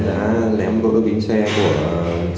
nên đã lên mạng internet học cách phá kính xe ô tô